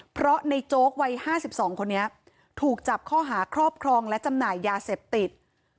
เพราะในโจ๊กวัย๕๒คนนี้ถูกจับข้อหาครอบครองและจำหน่ายยาเสพติด